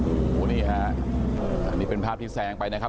โอ้โหนี่ฮะอันนี้เป็นภาพที่แซงไปนะครับ